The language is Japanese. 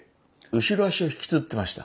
後ろ足を引きずってました。